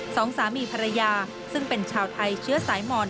สองสามีภรรยาซึ่งเป็นชาวไทยเชื้อสายมอน